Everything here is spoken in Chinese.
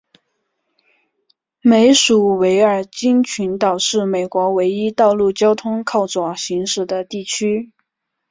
美属维尔京群岛是美国唯一道路交通靠左行驶的地区。